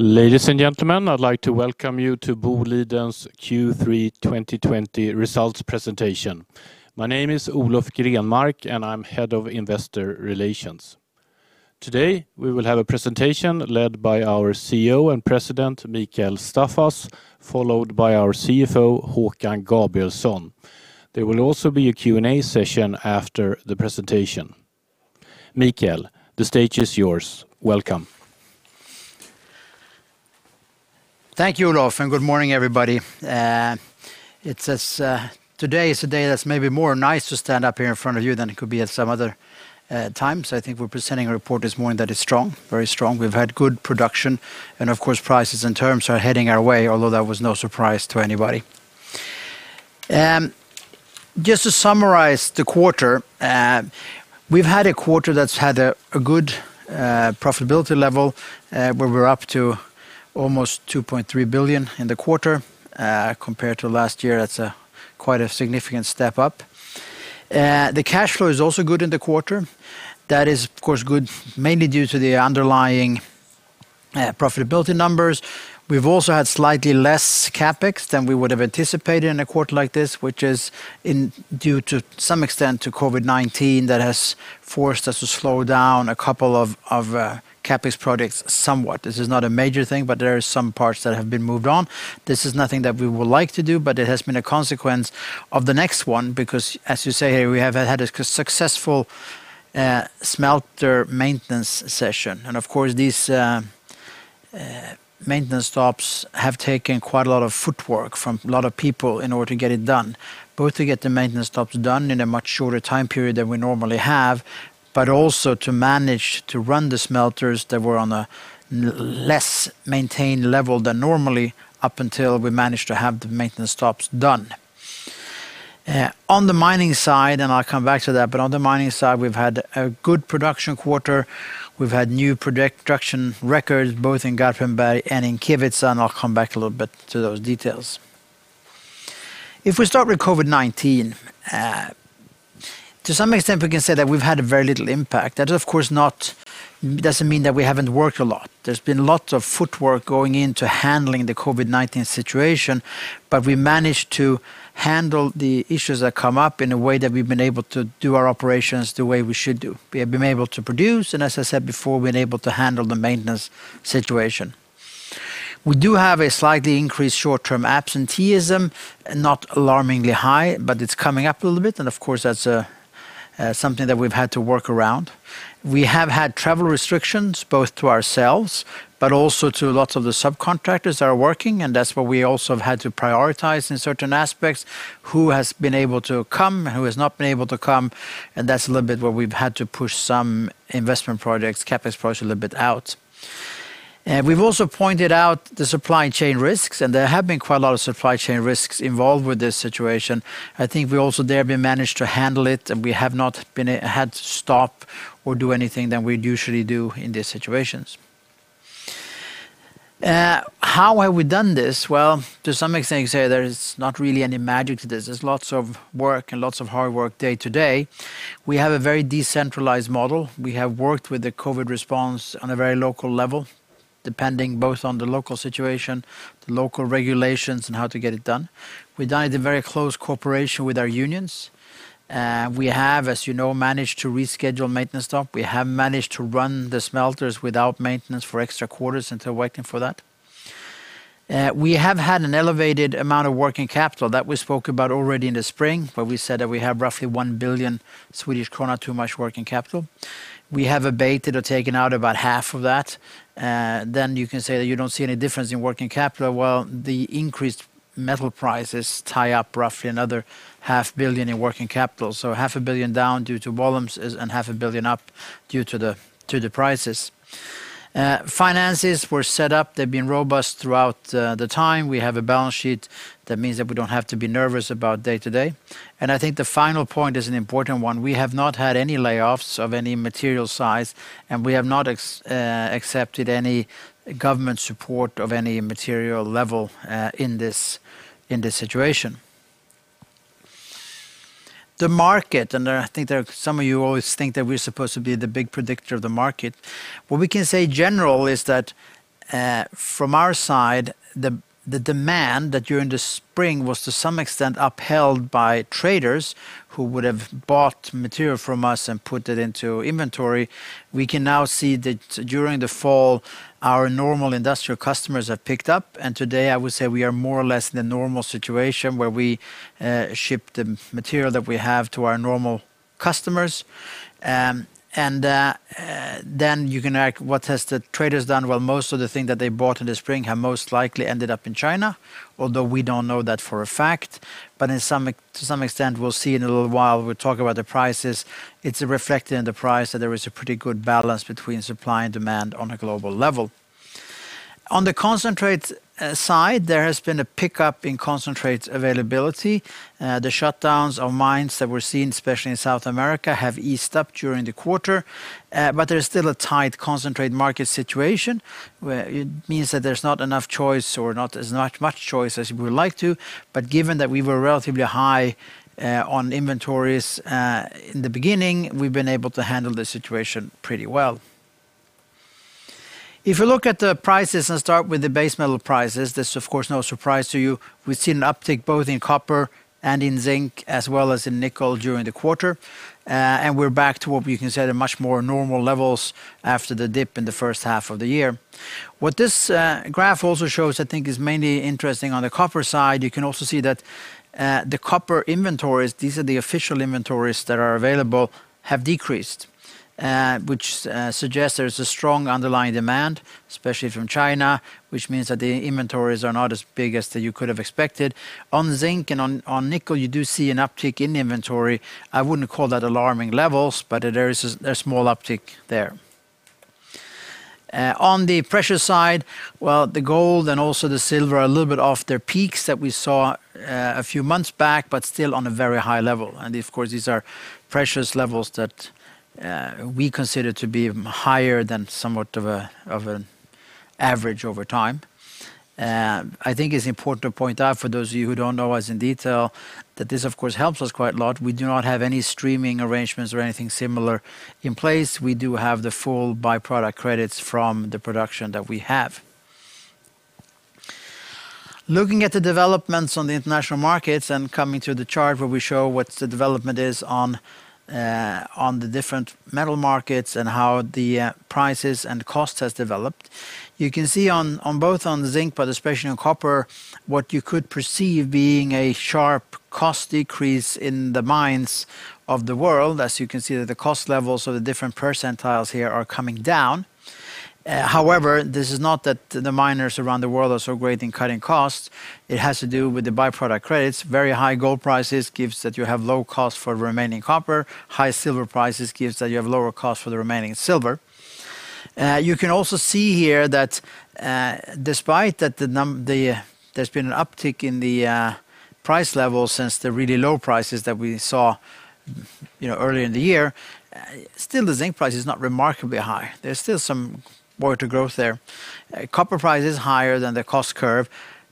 Ladies and gentlemen, I'd like to welcome you to Boliden's Q3 2020 results presentation. My name is Olof Grenmark, and I'm Head of Investor Relations. Today, we will have a presentation led by our CEO and President, Mikael Staffas, followed by our CFO, Håkan Gabrielsson. There will also be a Q&A session after the presentation. Mikael, the stage is yours. Welcome. Thank you, Olof, and good morning, everybody. Today is a day that's maybe more nice to stand up here in front of you than it could be at some other time. I think we're presenting a report this morning that is very strong. We've had good production, and of course, prices and terms are heading our way, although that was no surprise to anybody. Just to summarize the quarter, we've had a quarter that's had a good profitability level, where we're up to almost 2.3 billion in the quarter. Compared to last year, that's quite a significant step up. The cash flow is also good in the quarter. That is, of course, good mainly due to the underlying profitability numbers. We've also had slightly less CapEx than we would have anticipated in a quarter like this, which is due to some extent to COVID-19 that has forced us to slow down a couple of CapEx projects somewhat. This is not a major thing, but there are some parts that have been moved on. This is nothing that we would like to do, but it has been a consequence of the next one because as you say here, we have had a successful smelter maintenance session. Of course, these maintenance stops have taken quite a lot of footwork from a lot of people in order to get it done, both to get the maintenance stops done in a much shorter time period than we normally have, but also to manage to run the smelters that were on a less maintained level than normally up until we managed to have the maintenance stops done. On the mining side, and I'll come back to that, but on the mining side, we've had a good production quarter. We've had new production records both in Garpenberg and in Kevitsa, and I'll come back a little bit to those details. If we start with COVID-19, to some extent, we can say that we've had a very little impact. That, of course, doesn't mean that we haven't worked a lot. There's been lots of footwork going into handling the COVID-19 situation, but we managed to handle the issues that come up in a way that we've been able to do our operations the way we should do. We have been able to produce, and as I said before, we've been able to handle the maintenance situation. We do have a slightly increased short-term absenteeism, not alarmingly high, but it's coming up a little bit, and of course, that's something that we've had to work around. We have had travel restrictions, both to ourselves, but also to lots of the subcontractors that are working, and that's where we also have had to prioritize in certain aspects who has been able to come, who has not been able to come, and that's a little bit where we've had to push some investment projects, CapEx projects a little bit out. We've also pointed out the supply chain risks. There have been quite a lot of supply chain risks involved with this situation. I think we also there have been managed to handle it. We have not had to stop or do anything than we'd usually do in these situations. How have we done this? Well, to some extent, say there is not really any magic to this. There's lots of work and lots of hard work day to day. We have a very decentralized model. We have worked with the COVID response on a very local level, depending both on the local situation, the local regulations, and how to get it done. We've done it in very close cooperation with our unions. We have, as you know, managed to reschedule maintenance stop. We have managed to run the smelters without maintenance for extra quarters until waiting for that. We have had an elevated amount of working capital that we spoke about already in the spring, where we said that we have roughly 1 billion Swedish krona, too much working capital. We have abated or taken out about half of that. You can say that you don't see any difference in working capital. Well, the increased metal prices tie up roughly another a half billion in working capital. Half a billion down due to volumes and half a billion up due to the prices. Finances were set up. They've been robust throughout the time. We have a balance sheet that means that we don't have to be nervous about day to day. I think the final point is an important one. We have not had any layoffs of any material size, and we have not accepted any government support of any material level in this situation. The market. I think that some of you always think that we're supposed to be the big predictor of the market. What we can say general is that from our side, the demand that during the spring was to some extent upheld by traders who would have bought material from us and put it into inventory. We can now see that during the fall, our normal industrial customers have picked up, and today I would say we are more or less in a normal situation where we ship the material that we have to our normal customers. You can ask, what has the traders done? Well, most of the things that they bought in the spring have most likely ended up in China, although we don't know that for a fact. To some extent, we'll see in a little while, we'll talk about the prices. It's reflected in the price that there is a pretty good balance between supply and demand on a global level. On the concentrate side, there has been a pickup in concentrate availability. The shutdowns of mines that we're seeing, especially in South America, have eased up during the quarter. There's still a tight concentrate market situation. It means that there's not enough choice or not as much choice as we would like to. Given that we were relatively high on inventories in the beginning, we've been able to handle the situation pretty well. If you look at the prices and start with the base metal prices, this is of course no surprise to you. We've seen an uptick both in copper and in zinc, as well as in nickel during the quarter. We're back to what we can say are much more normal levels after the dip in the first half of the year. What this graph also shows, I think is mainly interesting on the copper side, you can also see that the copper inventories, these are the official inventories that are available, have decreased, which suggests there's a strong underlying demand, especially from China, which means that the inventories are not as big as you could have expected. On zinc and on nickel, you do see an uptick in inventory. I wouldn't call that alarming levels, there is a small uptick there. On the pressure side, well, the gold and also the silver are a little bit off their peaks that we saw a few months back, still on a very high level. Of course, these are precious levels that we consider to be higher than somewhat of an average over time. I think it's important to point out for those of you who don't know us in detail, that this of course helps us quite a lot. We do not have any streaming arrangements or anything similar in place. We do have the full byproduct credits from the production that we have. Looking at the developments on the international markets and coming to the chart where we show what the development is on the different metal markets and how the prices and cost has developed. You can see on both on zinc, but especially on copper, what you could perceive being a sharp cost decrease in the mines of the world. As you can see that the cost levels of the different percentiles here are coming down. This is not that the miners around the world are so great in cutting costs. It has to do with the byproduct credits. Very high gold prices gives that you have low cost for remaining copper. High silver prices gives that you have lower cost for the remaining silver. You can also see here that despite that there's been an uptick in the price level since the really low prices that we saw earlier in the year, still the zinc price is not remarkably high. There's still some more to growth there. Copper price is higher than the cost curve,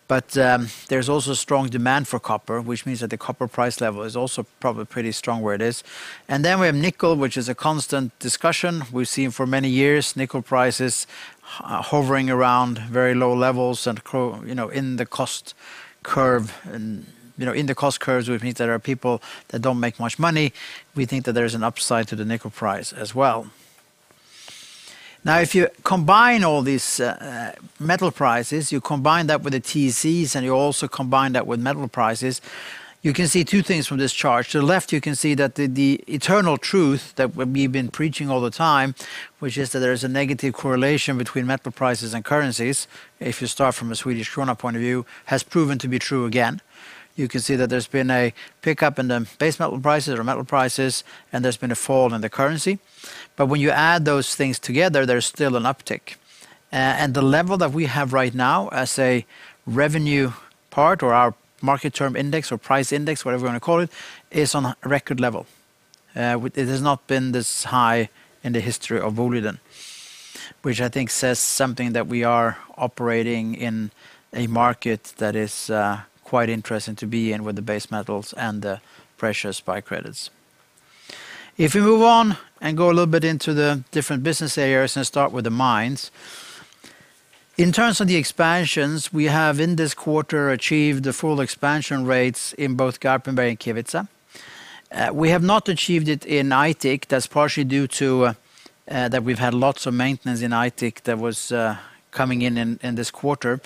there's also strong demand for copper, which means that the copper price level is also probably pretty strong where it is. We have nickel, which is a constant discussion we've seen for many years. Nickel prices hovering around very low levels and in the cost curve, which means there are people that don't make much money. We think that there's an upside to the nickel price as well. If you combine all these metal prices, you combine that with the TCs and you also combine that with metal prices. You can see two things from this chart. To the left, you can see that the eternal truth that we've been preaching all the time, which is that there is a negative correlation between metal prices and currencies, if you start from a Swedish krona point of view, has proven to be true again. You can see that there's been a pickup in the base metal prices or metal prices, and there's been a fall in the currency. When you add those things together, there's still an uptick. The level that we have right now as a revenue part or our market term index or price index, whatever you want to call it, is on a record level. It has not been this high in the history of Boliden. Which I think says something that we are operating in a market that is quite interesting to be in with the base metals and the precious by credits. If we move on and go a little bit into the different business areas and start with the mines. In terms of the expansions we have in this quarter achieved the full expansion rates in both Garpenberg and Kevitsa. We have not achieved it in Aitik. That's partially due to that we've had lots of maintenance in Aitik that was coming in in this quarter.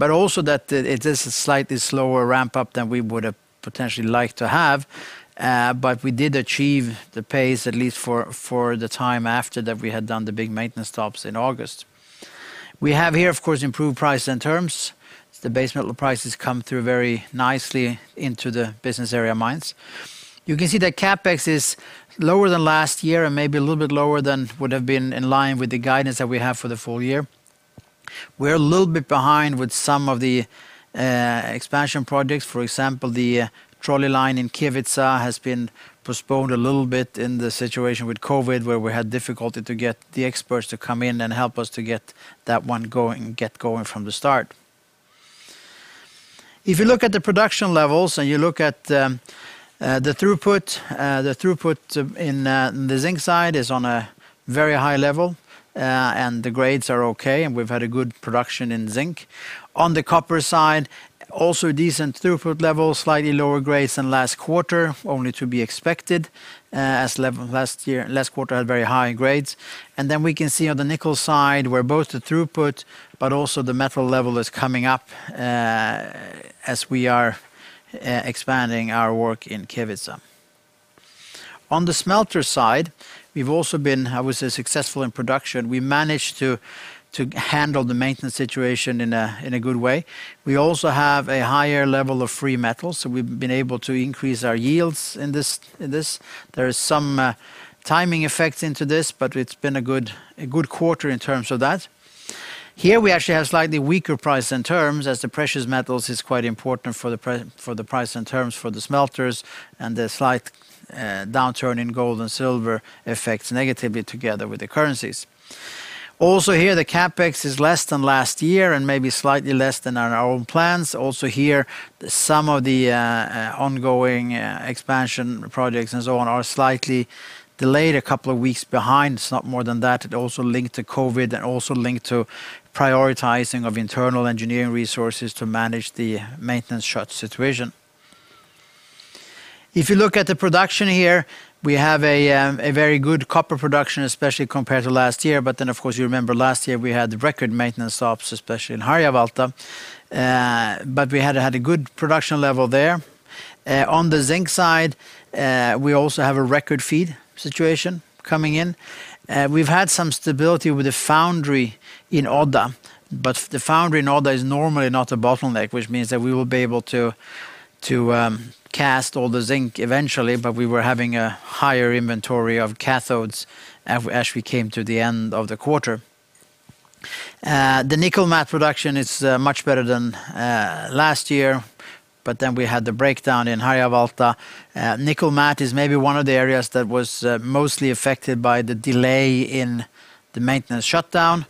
Also that it is a slightly slower ramp-up than we would have potentially liked to have. We did achieve the pace, at least for the time after that we had done the big maintenance stops in August. We have here, of course, improved price and terms. The base metal prices come through very nicely into the business area mines. You can see that CapEx is lower than last year and maybe a little bit lower than would have been in line with the guidance that we have for the full year. We're a little bit behind with some of the expansion projects. For example, the trolley line in Kevitsa has been postponed a little bit in the situation with COVID-19, where we had difficulty to get the experts to come in and help us to get that one get going from the start. If you look at the production levels and you look at the throughput, the throughput in the zinc side is on a very high level, and the grades are okay, and we've had a good production in zinc. On the copper side, also decent throughput levels, slightly lower grades than last quarter, only to be expected, as last quarter had very high grades. We can see on the nickel side where both the throughput but also the metal level is coming up as we are expanding our work in Kevitsa. On the smelter side, we've also been, I would say, successful in production. We managed to handle the maintenance situation in a good way. We also have a higher level of free metal, so we've been able to increase our yields in this. There is some timing effect into this, but it's been a good quarter in terms of that. Here we actually have slightly weaker price and terms as the precious metals is quite important for the price and terms for the smelters and the slight downturn in gold and silver affects negatively together with the currencies. Also here, the CapEx is less than last year and maybe slightly less than our own plans. Also here, some of the ongoing expansion projects and so on are slightly delayed, a couple of weeks behind. It's not more than that. It also linked to COVID and also linked to prioritizing of internal engineering resources to manage the maintenance shut situation. If you look at the production here, we have a very good copper production, especially compared to last year. Of course, you remember last year we had record maintenance stops, especially in Harjavalta, but we had a good production level there. On the zinc side, we also have a record feed situation coming in. We've had some stability with the foundry in Odda, but the foundry in Odda is normally not a bottleneck, which means that we will be able to cast all the zinc eventually. We were having a higher inventory of cathodes as we came to the end of the quarter. The nickel matte production is much better than last year, but then we had the breakdown in Harjavalta. Nickel matte is maybe one of the areas that was mostly affected by the delay in the maintenance shutdown.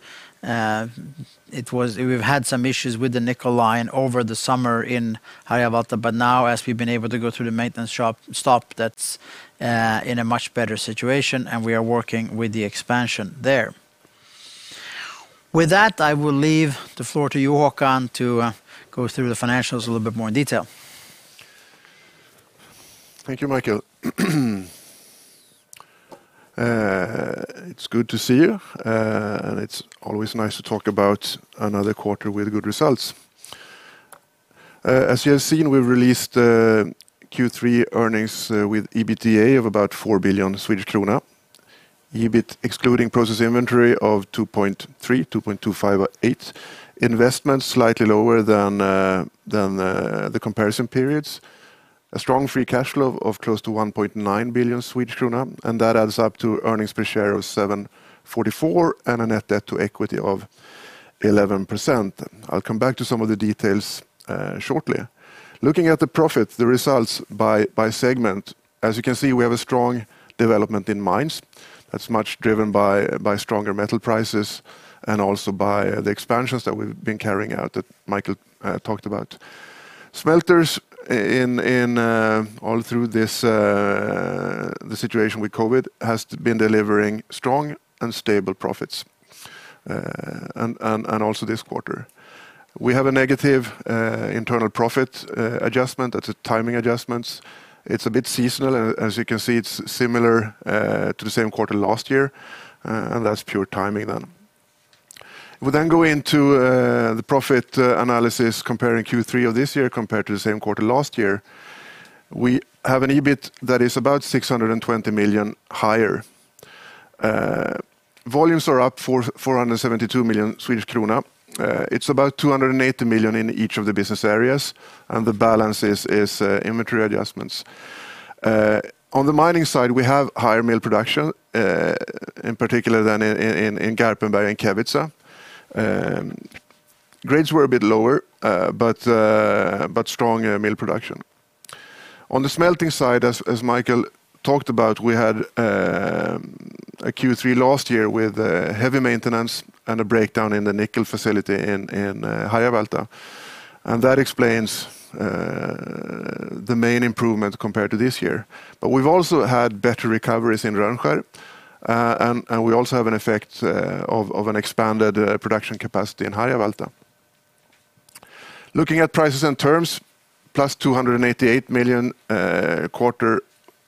We've had some issues with the nickel line over the summer in Harjavalta. Now as we've been able to go through the maintenance stop, that's in a much better situation, and we are working with the expansion there. With that, I will leave the floor to you, Håkan, to go through the financials a little bit more in detail. Thank you, Mikael. It's good to see you. It's always nice to talk about another quarter with good results. As you have seen, we've released the Q3 earnings with EBITDA of about 4 billion Swedish krona. EBIT excluding process inventory of 2.3, 2.258. Investments slightly lower than the comparison periods. A strong free cash flow of close to 1.9 billion Swedish krona, that adds up to earnings per share of 7.44 and a net debt to equity of 11%. I'll come back to some of the details shortly. Looking at the profit, the results by segment. As you can see, we have a strong development in mines that's much driven by stronger metal prices and also by the expansions that we've been carrying out that Mikael talked about. Smelters, all through the situation with COVID-19, has been delivering strong and stable profits, also this quarter. We have a negative internal profit adjustment. That's timing adjustments. It's a bit seasonal, and as you can see, it's similar to the same quarter last year. That's pure timing then. We go into the profit analysis comparing Q3 of this year compared to the same quarter last year. We have an EBIT that is about 620 million higher. Volumes are up 472 million Swedish krona. It's about 280 million in each of the business areas, and the balance is inventory adjustments. On the mining side, we have higher mill production, in particular than in Garpenberg and Kevitsa. Grades were a bit lower, but strong mill production. On the smelting side, as Mikael talked about, we had a Q3 last year with heavy maintenance and a breakdown in the nickel facility in Harjavalta. That explains the main improvement compared to this year. We've also had better recoveries in Rönnskär, and we also have an effect of an expanded production capacity in Harjavalta. Looking at prices and terms, plus 288 million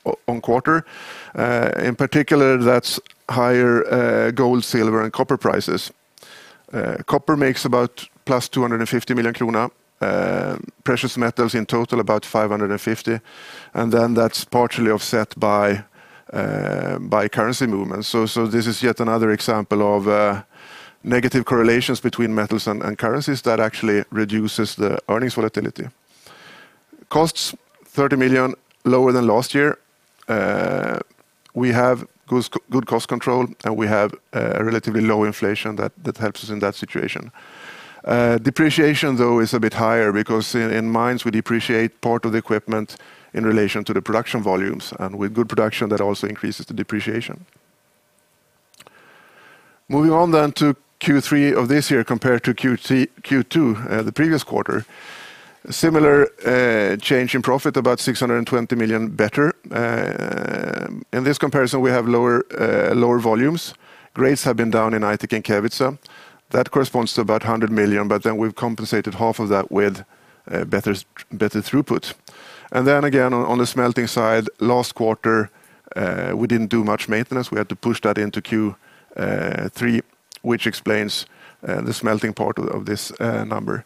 quarter-on-quarter. In particular, that's higher gold, silver, and copper prices. Copper makes about plus 250 million krona. Precious metals in total, about 550 million. That's partially offset by currency movements. This is yet another example of negative correlations between metals and currencies that actually reduces the earnings volatility. Costs 30 million lower than last year. We have good cost control, and we have a relatively low inflation that helps us in that situation. Depreciation, though, is a bit higher because in mines we depreciate part of the equipment in relation to the production volumes. With good production, that also increases the depreciation. Moving on to Q3 of this year compared to Q2 the previous quarter. Similar change in profit, about 620 million better. In this comparison, we have lower volumes. Grades have been down in Aitik and Kevitsa. That corresponds to about 100 million, we've compensated half of that with better throughput. On the smelting side, last quarter we didn't do much maintenance. We had to push that into Q3, which explains the smelting part of this number.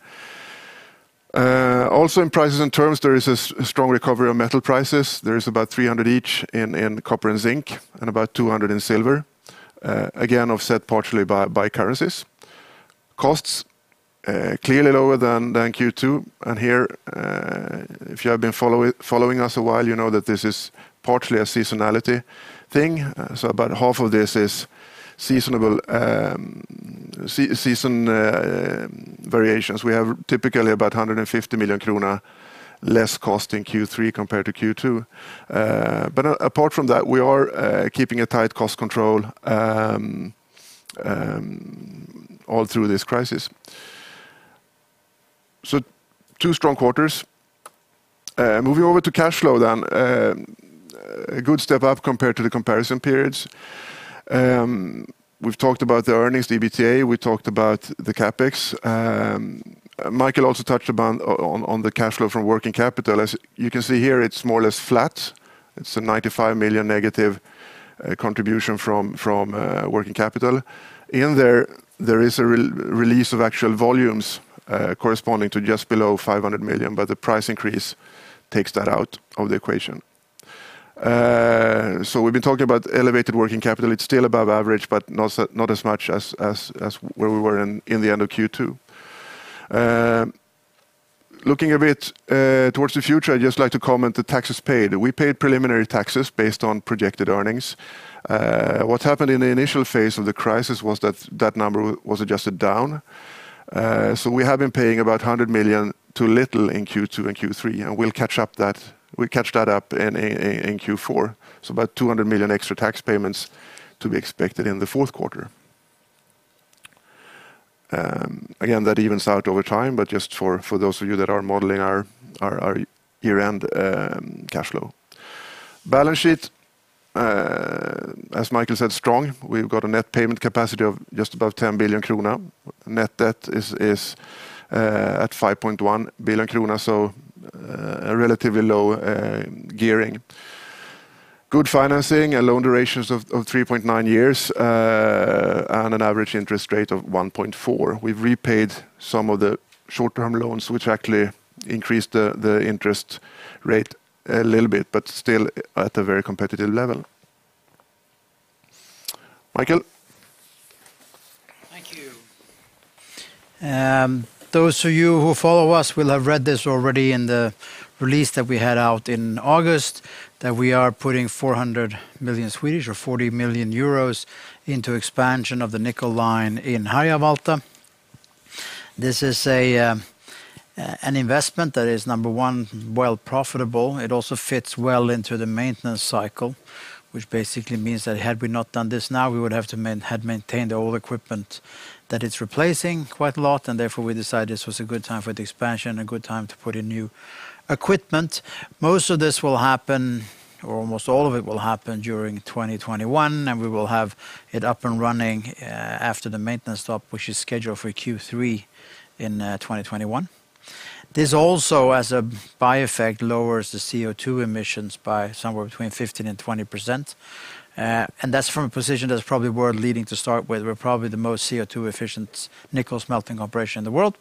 There is a strong recovery of metal prices. There is about 300 each in copper and zinc and about 200 in silver, again, offset partially by currencies. Costs clearly lower than Q2. If you have been following us a while, you know that this is partially a seasonality thing. About half of this is seasonable variations. We have typically about 150 million krona less cost in Q3 compared to Q2. Apart from that, we are keeping a tight cost control all through this crisis. Two strong quarters. Moving over to cash flow then. A good step up compared to the comparison periods. We've talked about the earnings EBITDA, we talked about the CapEx. Mikael also touched upon the cash flow from working capital. As you can see here, it's more or less flat. It's a 95 million negative contribution from working capital. In there is a release of actual volumes corresponding to just below 500 million, but the price increase takes that out of the equation. We've been talking about elevated working capital. It's still above average, but not as much as where we were in the end of Q2. Looking a bit towards the future, I'd just like to comment the taxes paid. We paid preliminary taxes based on projected earnings. What happened in the initial phase of the crisis was that that number was adjusted down. We have been paying about 100 million too little in Q2 and Q3, and we'll catch that up in Q4. About 200 million extra tax payments to be expected in the fourth quarter. Again, that evens out over time, but just for those of you that are modeling our year-end cash flow. Balance sheet, as Mikael said, strong. We've got a net payment capacity of just above 10 billion krona. Net debt is at 5.1 billion krona, so a relatively low gearing. Good financing and loan durations of 3.9 years, and an average interest rate of 1.4%. We've repaid some of the short-term loans, which actually increased the interest rate a little bit, but still at a very competitive level. Mikael? Thank you. Those of you who follow us will have read this already in the release that we had out in August, that we are putting 400 million or 40 million euros into expansion of the nickel line in Harjavalta. This is an investment that is, number one, well profitable. It also fits well into the maintenance cycle, which basically means that had we not done this now, we would have had to maintain the old equipment that it's replacing quite a lot. Therefore, we decided this was a good time for the expansion, a good time to put in new equipment. Most of this will happen, or almost all of it will happen during 2021, and we will have it up and running after the maintenance stop, which is scheduled for Q3 in 2021. This also, as a by effect, lowers the CO2 emissions by somewhere between 15% and 20%. That's from a position that's probably world leading to start with. We're probably the most CO2 efficient nickel smelting operation in the world,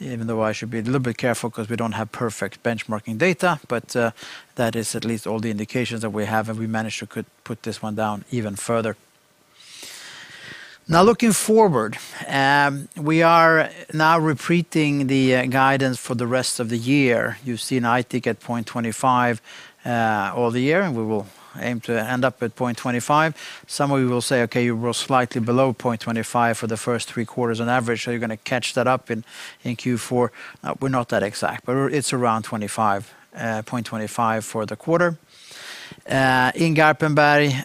even though I should be a little bit careful because we don't have perfect benchmarking data. That is at least all the indications that we have, and we managed to put this one down even further. Now looking forward, we are now repeating the guidance for the rest of the year. You've seen Aitik at 0.25% all the year, and we will aim to end up at 0.25%. Some of you will say, "Okay, you were slightly below 0.25% for the first three quarters on average. Are you going to catch that up in Q4?" We're not that exact, but it's around 0.25% for the quarter. In Garpenberg,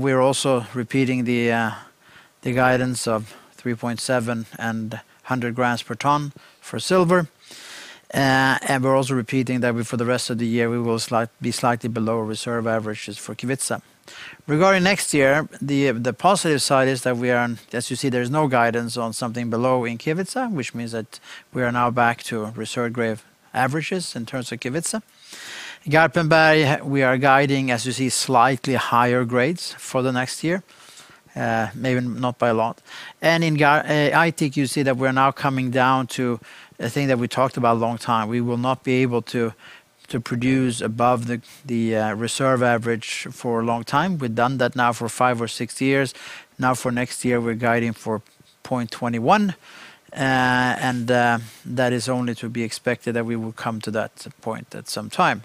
we're also repeating the guidance of 3.7 and 100 grams per ton for silver. We're also repeating that for the rest of the year, we will be slightly below reserve averages for Kevitsa. Regarding next year, the positive side is that we are on, as you see, there is no guidance on something below in Kevitsa, which means that we are now back to reserve grade averages in terms of Kevitsa. Garpenberg, we are guiding, as you see, slightly higher grades for the next year. Maybe not by a lot. In Aitik, you see that we're now coming down to a thing that we talked about a long time. We will not be able to produce above the reserve average for a long time. We've done that now for five or six years. Now for next year, we're guiding for 0.21%. That is only to be expected that we will come to that point at some time.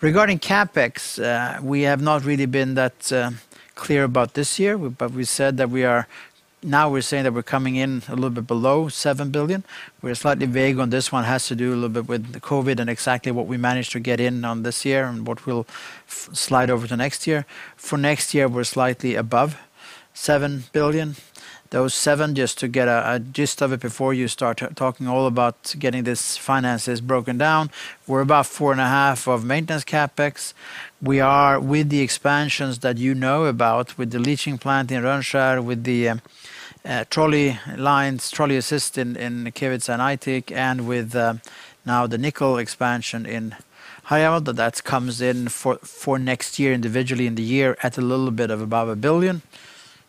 Regarding CapEx, we have not really been that clear about this year, but now we're saying that we're coming in a little bit below 7 billion. We're slightly vague on this one, has to do a little bit with the COVID and exactly what we managed to get in on this year and what will slide over to next year. For next year, we're slightly above 7 billion. Those seven, just to get a gist of it before you start talking all about getting these finances broken down, we're about 4.5 billion of maintenance CapEx. We are with the expansions that you know about, with the leaching plant in Rönnskär, with the trolley lines, trolley assist in Kevitsa and Aitik, and with now the nickel expansion in Harjavalta, that comes in for next year individually in the year at a little bit above 1 billion.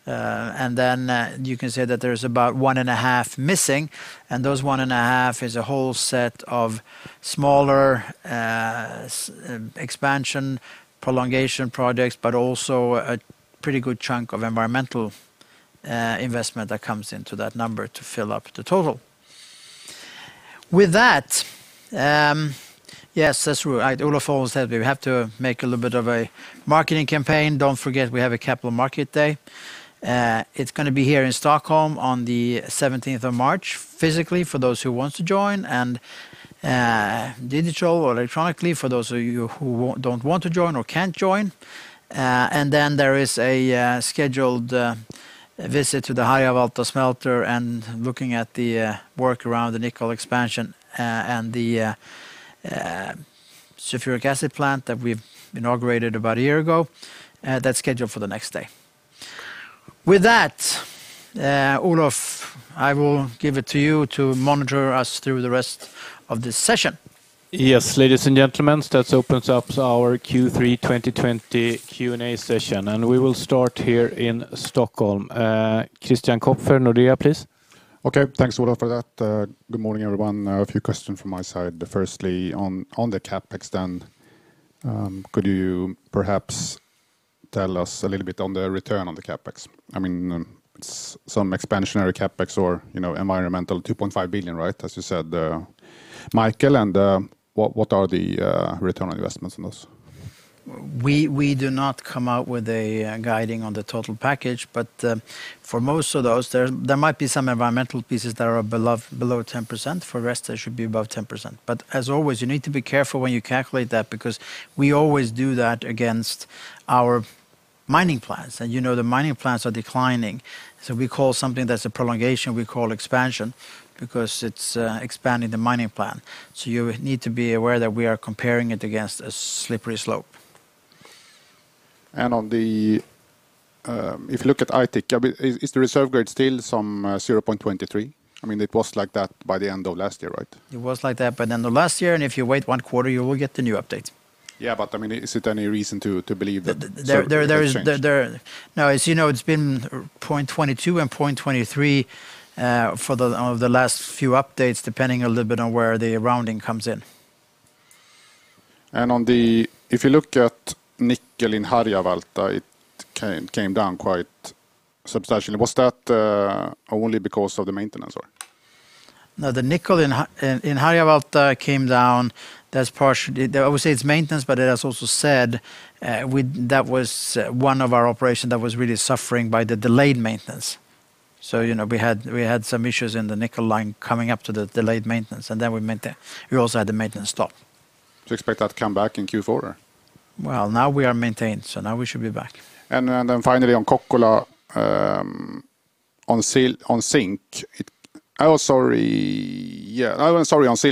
Then you can say that there's about 1.5 billion missing, and those 1.5 billion is a whole set of smaller expansion prolongation projects, but also a pretty good chunk of environmental investment that comes into that number to fill up the total. With that, yes, that's true. Olof almost said we have to make a little bit of a marketing campaign. Don't forget we have a capital market day. It's going to be here in Stockholm on the 17th of March physically for those who want to join, and digital or electronically for those of you who don't want to join or can't join. There is a scheduled visit to the Harjavalta smelter and looking at the work around the nickel expansion, and the sulfuric acid plant that we've inaugurated about a year ago. That's scheduled for the next day. With that, Olof, I will give it to you to monitor us through the rest of this session. Yes, ladies and gentlemen, that opens up our Q3 2020 Q&A session. We will start here in Stockholm. Christian Kopfer, Nordea, please. Okay, thanks, Olof, for that. Good morning, everyone. A few questions from my side. Firstly, on the CapEx spend, could you perhaps tell us a little bit on the return on the CapEx? I mean, some expansionary CapEx or environmental 2.5 billion, right? As you said, Mikael, what are the return on investments on those? We do not come out with a guiding on the total package, but for most of those, there might be some environmental pieces that are below 10%. For the rest, they should be above 10%. As always, you need to be careful when you calculate that because we always do that against our mining plans. You know the mining plans are declining. Something that's a prolongation we call expansion because it's expanding the mining plan. You need to be aware that we are comparing it against a slippery slope. If you look at Aitik, is the reserve grade still some 0.23%? It was like that by the end of last year, right? It was like that by the end of last year. If you wait one quarter, you will get the new update. Yeah, is there any reason to believe that it has changed? No, as you know, it's been 0.22% and 0.23% for the last few updates, depending a little bit on where the rounding comes in. If you look at nickel in Harjavalta, it came down quite substantially. Was that only because of the maintenance or? No, the nickel in Harjavalta came down. I would say it's maintenance, but it is also said that was one of our operations that was really suffering by the delayed maintenance. We had some issues in the nickel line coming up to the delayed maintenance,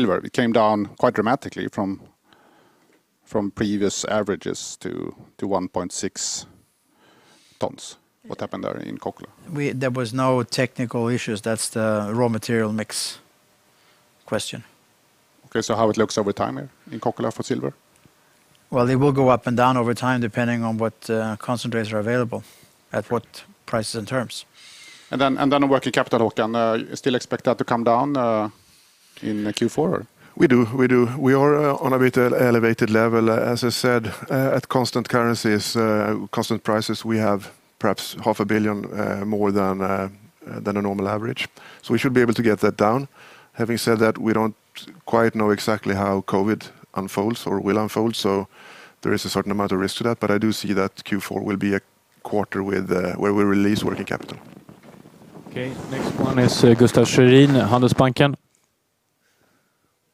Okay, next one is Gustaf Schwerin, Handelsbanken.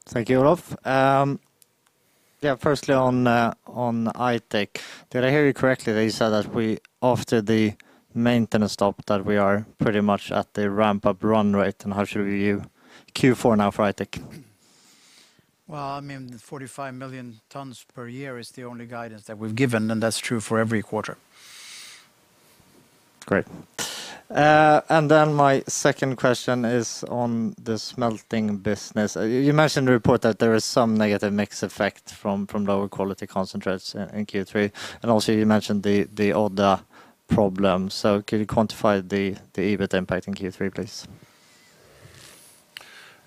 Thank you, Olof. Firstly on Aitik, did I hear you correctly that you said that after the maintenance stop, that we are pretty much at the ramp-up run rate? How should we view Q4 now for Aitik? Well, 45 million tons per year is the only guidance that we've given. That's true for every quarter. Great. My second question is on the smelting business. You mentioned in the report that there is some negative mix effect from lower quality concentrates in Q3. Also you mentioned the Odda problem. Could you quantify the EBIT impact in Q3, please?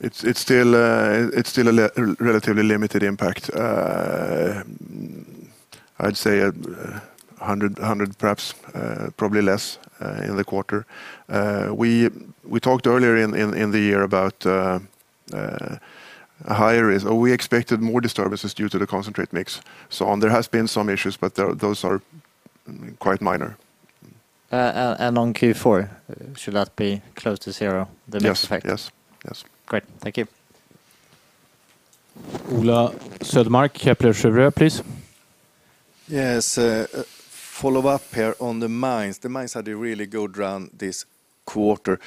It's still a relatively limited impact. I'd say 100 million perhaps, probably less in the quarter. We talked earlier in the year about how we expected more disturbances due to the concentrate mix. There have been some issues, but those are quite minor. On Q4, should that be close to zero, the mix effect? Yes. Great. Thank you. Ola Södermark, Kepler Cheuvreux, please. Follow up here on the mines. The mines had a really good run this quarter.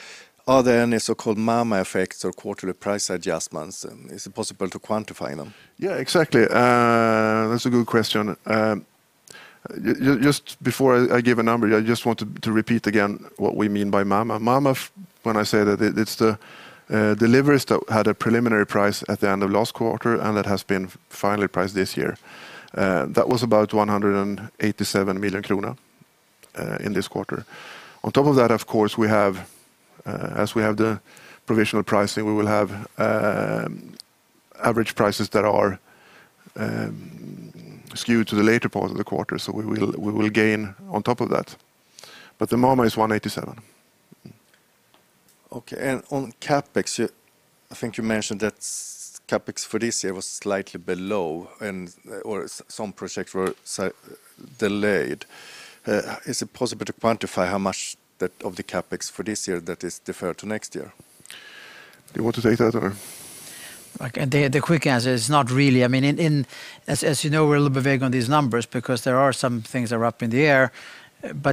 Are there any so-called MAMA effects or quarterly price adjustments? Is it possible to quantify them? Yeah, exactly. That's a good question. Before I give a number, I just want to repeat again what we mean by MAMA. MAMA, when I say that, it's the deliveries that had a preliminary price at the end of last quarter and that has been finally priced this year. That was about 187 million kronor in this quarter. On top of that, of course, as we have the provisional pricing, we will have average prices that are skewed to the later part of the quarter, so we will gain on top of that. At the moment it's 187 million. Okay. On CapEx, I think you mentioned that CapEx for this year was slightly below or some projects were delayed. Is it possible to quantify how much of the CapEx for this year that is deferred to next year? Do you want to take that? The quick answer is not really. As you know, we're a little bit vague on these numbers because there are some things that are up in the air,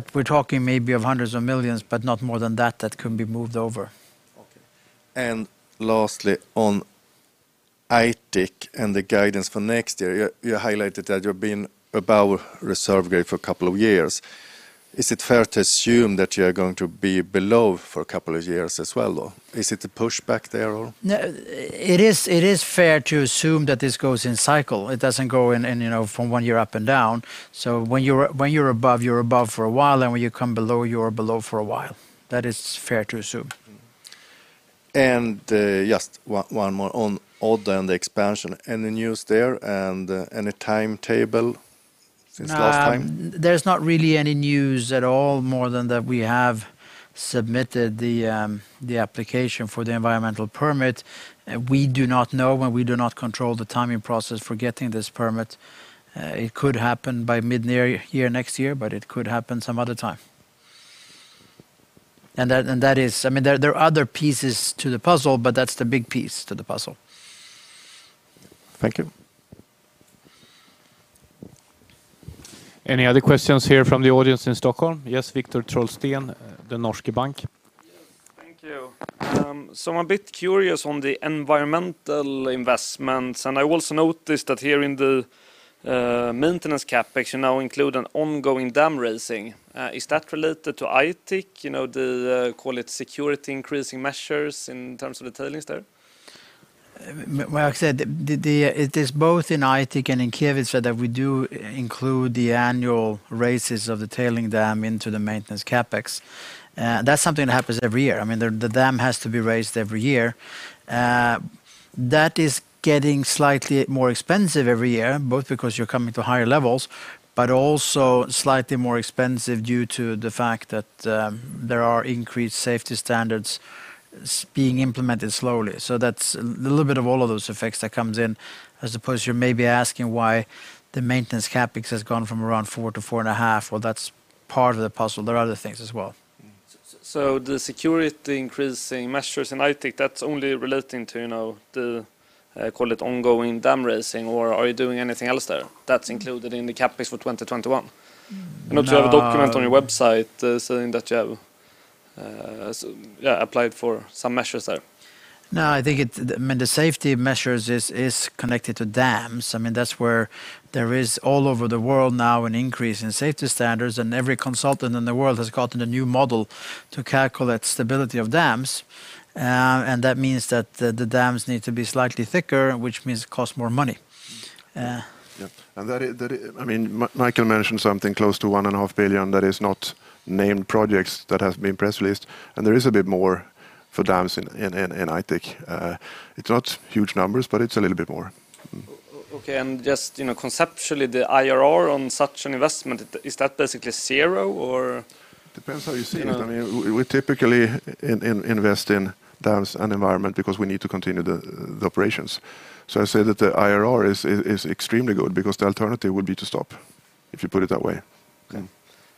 but we're talking maybe of hundreds of millions, but not more than that can be moved over. Okay. Lastly, on Aitik and the guidance for next year, you highlighted that you've been above reserve grade for a couple of years. Is it fair to assume that you're going to be below for a couple of years as well, or is it a pushback there? It is fair to assume that this goes in cycle. It doesn't go in from one year up and down. When you're above, you're above for a while, and when you come below, you are below for a while. That is fair to assume. Just one more on Odda, the expansion. Any news there and any timetable since last time? There's not really any news at all, more than that we have submitted the application for the environmental permit. We do not know and we do not control the timing process for getting this permit. It could happen by mid-year next year, but it could happen some other time. There are other pieces to the puzzle, but that's the big piece to the puzzle. Thank you. Any other questions here from the audience in Stockholm? Yes, Viktor Trollsten, Danske Bank. Yes. Thank you. I'm a bit curious on the environmental investments, and I also noticed that here in the maintenance CapEx, you now include an ongoing dam raising. Is that related to Aitik, the call it security increasing measures in terms of the tailings there? Like I said, it is both in Aitik and in Kevitsa that we do include the annual raises of the tailings dam into the maintenance CapEx. That's something that happens every year. The dam has to be raised every year. That is getting slightly more expensive every year, both because you're coming to higher levels, but also slightly more expensive due to the fact that there are increased safety standards being implemented slowly. That's a little bit of all of those effects that comes in. I suppose you're maybe asking why the maintenance CapEx has gone from around 4 billion-4.5 billion? Well, that's part of the puzzle. There are other things as well. The security increasing measures in Aitik, that's only relating to the, call it ongoing dam raising, or are you doing anything else there that's included in the CapEx for 2021? No. I know you have a document on your website saying that you have applied for some measures there. No, I think the safety measures is connected to dams. That's where there is all over the world now an increase in safety standards, and every consultant in the world has gotten a new model to calculate stability of dams. That means that the dams need to be slightly thicker, which means it costs more money. Mikael mentioned something close to 1.5 billion that is not named projects that have been press released, and there is a bit more for dams in Aitik. It's not huge numbers, but it's a little bit more. Okay, just conceptually, the IRR on such an investment, is that basically zero? Depends how you see it. We typically invest in dams and environment because we need to continue the operations. I say that the IRR is extremely good because the alternative would be to stop, if you put it that way.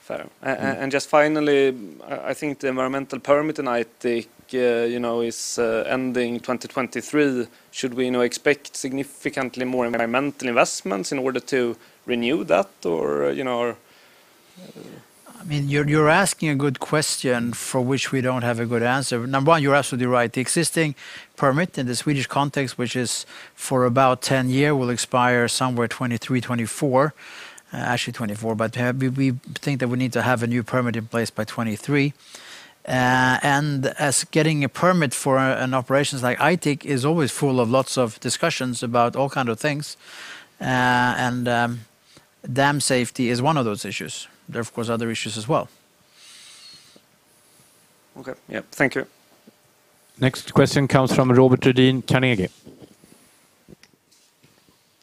Fair. Just finally, I think the environmental permit in Aitik is ending in 2023. Should we now expect significantly more environmental investments in order to renew that? You're asking a good question for which we don't have a good answer. Number one, you're absolutely right. The existing permit in the Swedish context, which is for about 10 years, will expire somewhere 2023, 2024. Actually 2024. We think that we need to have a new permit in place by 2023. As getting a permit for an operation like Aitik is always full of lots of discussions about all kinds of things. Dam safety is one of those issues. There are, of course, other issues as well. Okay. Thank you. Next question comes from Robert Redin, Carnegie.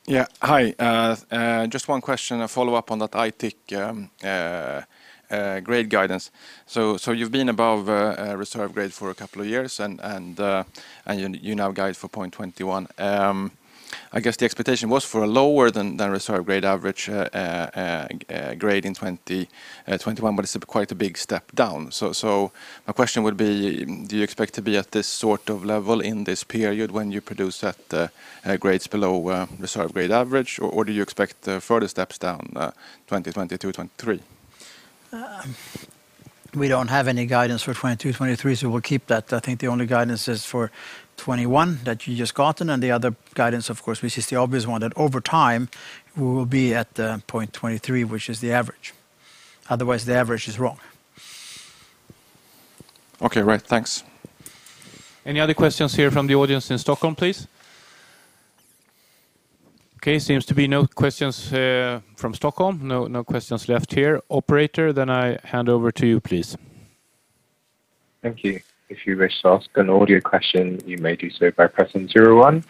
Hi. Just one question, a follow-up on that Aitik grade guidance. You've been above reserve grade for a couple of years, and you now guide for 0.21%. I guess the expectation was for a lower than reserve grade average grade in 2021, but it's quite a big step down. My question would be, do you expect to be at this sort of level in this period when you produce at grades below reserve grade average, or do you expect further steps down 2022, 2023? We don't have any guidance for 2022, 2023. We'll keep that. I think the only guidance is for 2021 that you just gotten. The other guidance, of course, which is the obvious one, that over time, we will be at 0.23%, which is the average. Otherwise, the average is wrong. Okay. Right. Thanks. Any other questions here from the audience in Stockholm, please? Okay, seems to be no questions from Stockholm. No questions left here. Operator, I hand over to you, please. Thank you. If you wish to ask an audio question, you may do so by pressing zero one.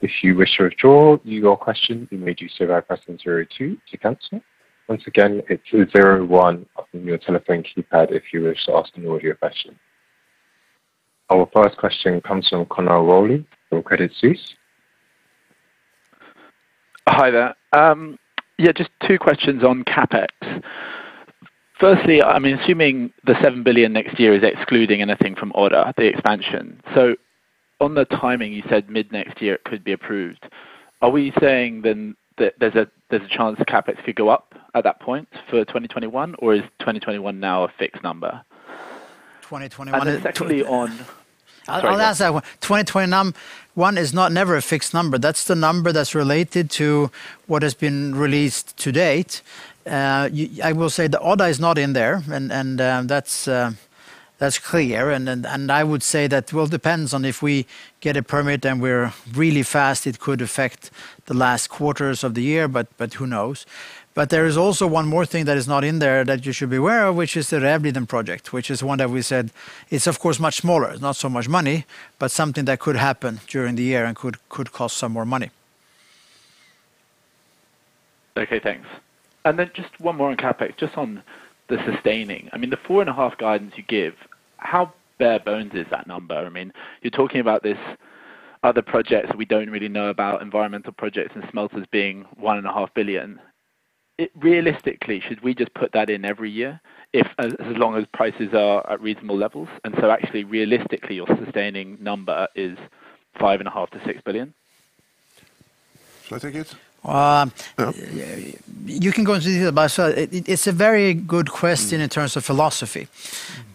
If you wish to withdraw your question, you may do so by pressing zero two to cancel. Once again, it's zero one on your telephone keypad if you wish to ask an audio question. Our first question comes from Conor Rowley from Credit Suisse. Hi there. Yeah, just two questions on CapEx. Firstly, I'm assuming the 7 billion next year is excluding anything from Odda, the expansion. On the timing, you said mid-next year it could be approved. Are we saying then that there's a chance the CapEx could go up at that point for 2021, or is 2021 now a fixed number? I'll answer that one. 2021 is never a fixed number. That's the number that's related to what has been released to date. I will say the Odda is not in there, and that's clear, and I would say that will depends on if we get a permit and we're really fast, it could affect the last quarters of the year, but who knows? There is also one more thing that is not in there that you should be aware of, which is the Rävliden Project, which is one that we said it's of course much smaller. It's not so much money, but something that could happen during the year and could cost some more money. Okay, thanks. Just one more on CapEx, just on the sustaining. I mean, the 4.5 billion guidance you give, how bare bones is that number? You're talking about these other projects we don't really know about, environmental projects and smelters being 1.5 billion. Realistically, should we just put that in every year as long as prices are at reasonable levels? Actually, realistically, your sustaining number is 5.5 billion-6 billion? Should I take it? You can go into detail, but it's a very good question in terms of philosophy,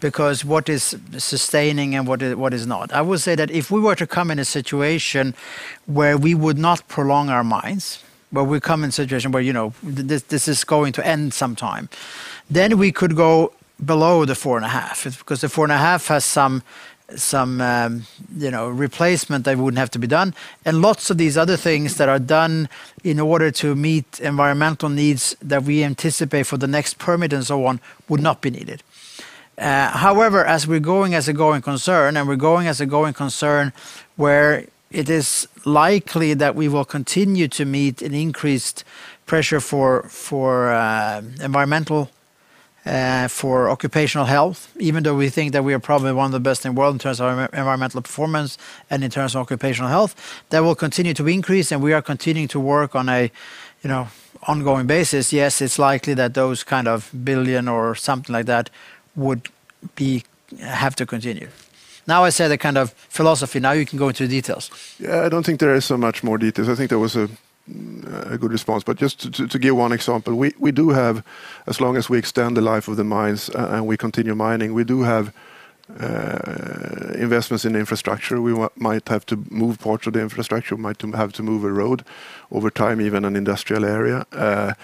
because what is sustaining and what is not? I would say that if we were to come in a situation where we would not prolong our mines, but we come in a situation where this is going to end sometime, then we could go below the 4.5 billion. The 4.5 billion has some replacement that wouldn't have to be done. Lots of these other things that are done in order to meet environmental needs that we anticipate for the next permit and so on, would not be needed. However, as we're going as a going concern, and we're going as a going concern where it is likely that we will continue to meet an increased pressure for environmental, for occupational health, even though we think that we are probably one of the best in the world in terms of our environmental performance and in terms of occupational health, that will continue to increase and we are continuing to work on a ongoing basis. Yes, it's likely that those kind of 1 billion or something like that would have to continue. Now I said a kind of philosophy. Now you can go into details. Yeah, I don't think there is so much more details. I think that was a good response. Just to give one example. We do have, as long as we extend the life of the mines, and we continue mining, we do have investments in infrastructure. We might have to move parts of the infrastructure, might have to move a road over time, even an industrial area.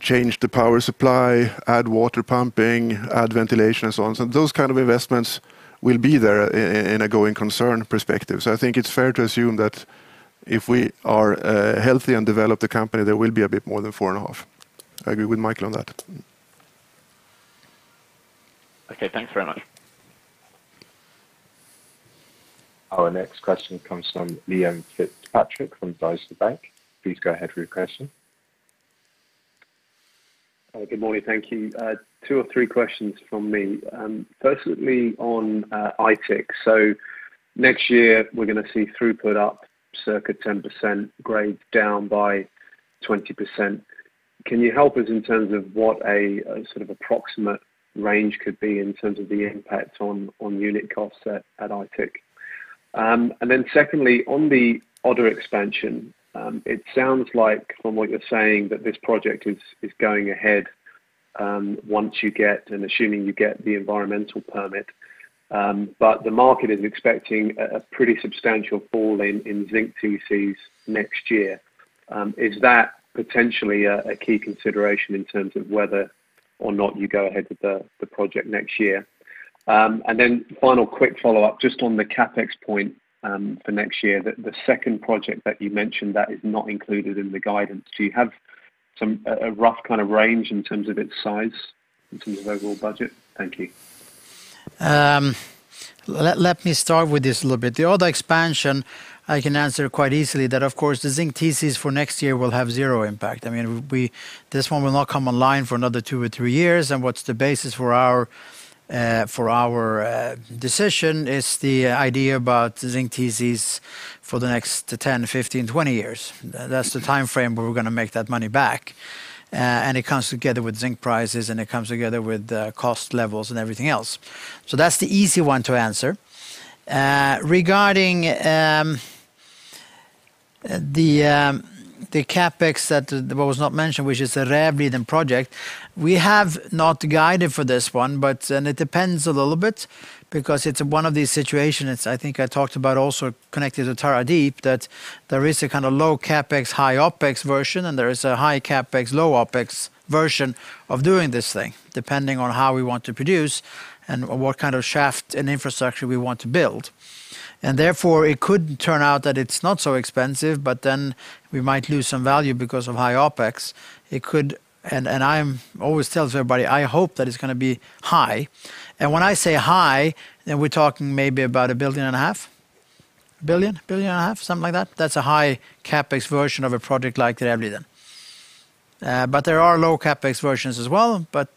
Change the power supply, add water pumping, add ventilation and so on. Those kind of investments will be there in a going concern perspective. I think it's fair to assume that if we are healthy and develop the company, there will be a bit more than four and a half. I agree with Mikael on that. Okay, thanks very much. Our next question comes from Liam Fitzpatrick from Deutsche Bank. Please go ahead with your question. Good morning. Thank you. Two or three questions from me. Firstly on Aitik. Next year we're going to see throughput up circa 10%, grade down by 20%. Can you help us in terms of what a sort of approximate range could be in terms of the impact on unit costs at Aitik? Secondly, on the Odda expansion. It sounds like from what you're saying that this project is going ahead once you get, and assuming you get the environmental permit. The market is expecting a pretty substantial fall in zinc TCs next year. Is that potentially a key consideration in terms of whether or not you go ahead with the project next year? Final quick follow-up just on the CapEx point for next year. The second project that you mentioned, that is not included in the guidance. Do you have a rough kind of range in terms of its size in terms of overall budget? Thank you. Let me start with this a little bit. The Odda expansion, I can answer quite easily that of course the zinc TCs for next year will have zero impact. This one will not come online for another two or three years, and what's the basis for our decision is the idea about zinc TCs for the next to 10, 15, 20 years. That's the timeframe where we're going to make that money back. It comes together with zinc prices and it comes together with cost levels and everything else. That's the easy one to answer. Regarding the CapEx that was not mentioned, which is the Rävliden project, we have not guided for this one. It depends a little bit because it's one of these situations I think I talked about also connected to Tara Deep that there is a kind of low CapEx, high OpEx version, and there is a high CapEx, low OpEx version of doing this thing, depending on how we want to produce and what kind of shaft and infrastructure we want to build. Therefore, it could turn out that it's not so expensive, but then we might lose some value because of high OpEx. I always tell everybody, I hope that it's going to be high. When I say high, then we're talking maybe about 1.5 billion. 1.5 billion, something like that. That's a high CapEx version of a project like Rävliden. There are low CapEx versions as well, but